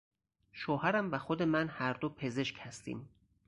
شوهرم و خود من هر دو پزشک هستیم.